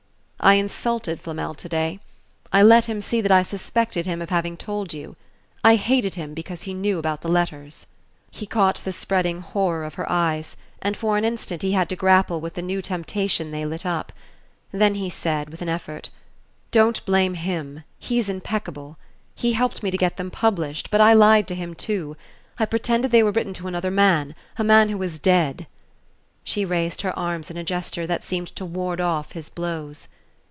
"I insulted Flamel to day. I let him see that I suspected him of having told you. I hated him because he knew about the letters." He caught the spreading horror of her eyes, and for an instant he had to grapple with the new temptation they lit up. Then he said, with an effort "Don't blame him he's impeccable. He helped me to get them published; but I lied to him too; I pretended they were written to another man... a man who was dead...." She raised her arms in a gesture that seemed to ward off his blows.